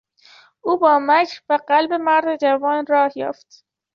او با مکر به قلب مرد جوان راه یافت.